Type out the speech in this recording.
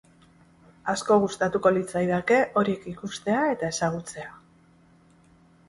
Asko gustatuko litzaidake horiek ikustea eta ezagutzea.